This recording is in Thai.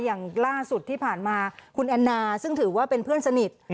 อย่างล่าสุดที่ผ่านมาคุณแอนนาซึ่งถือว่าเป็นเพื่อนสนิท